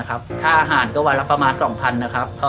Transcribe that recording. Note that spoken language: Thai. ทานอาหารวันประมาณ๒๐๐๐บาท